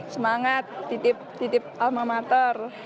semangat titip almamater